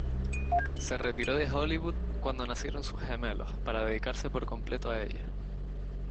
Se retiró de Hollywood cuando nacieron sus gemelos para dedicarse por completo a ellos.